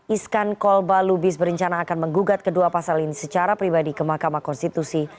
iskan kolbalubis berencana akan menggugat kedua pasal ini secara pribadi ke mahkamah konstitusi